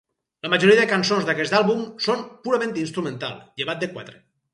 La majoria de cançons d'aquest àlbum són purament instrumental, llevat de quatre.